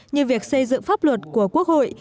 như việc xây dựng pháp luật của quốc hội